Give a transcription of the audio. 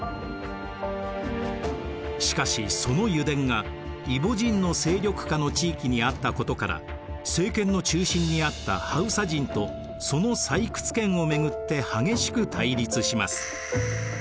しかしその油田がイボ人の勢力下の地域にあったことから政権の中心にあったハウサ人とその採掘権をめぐって激しく対立します。